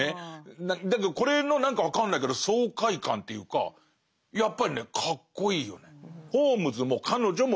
だけどこれの何か分かんないけど爽快感というかやっぱりねかっこいいよね。